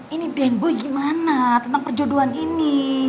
ini den boy gimana tentang perjodohan ini